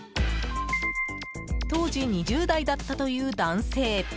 当時２０代だったという男性。